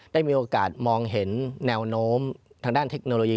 ได้มีโอกาสมองเห็นแนวโน้มทางด้านเทคโนโลยี